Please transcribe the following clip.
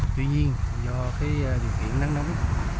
tuy nhiên do cái điều kiện nắng nóng